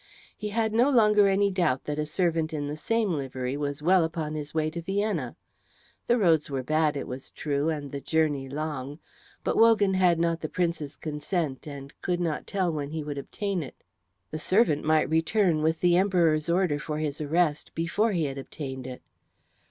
He had no longer any doubt that a servant in the same livery was well upon his way to Vienna. The roads were bad, it was true, and the journey long; but Wogan had not the Prince's consent, and could not tell when he would obtain it. The servant might return with the Emperor's order for his arrest before he had obtained it.